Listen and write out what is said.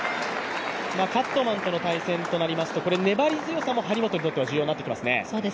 カットマンとの対戦となりますと粘り強さも張本にとっては重要になってきますね。